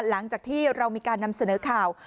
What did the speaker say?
หลังจากที่เรามีการนำเสนอข่าว